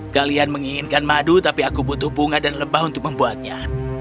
kalian menginginkan madu tapi aku butuh bunga dan lebah untuk membuatnya